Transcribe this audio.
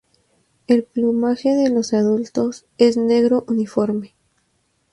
El plumaje de los adultos es negro uniforme.